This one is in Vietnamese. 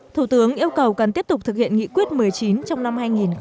thủ tướng yêu cầu cần tiếp tục thực hiện nghị quyết một mươi chín trong năm hai nghìn hai mươi